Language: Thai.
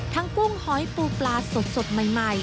กุ้งหอยปูปลาสดใหม่